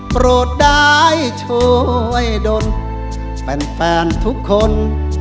โปรดได้ช่วยดนแฟนทุกคน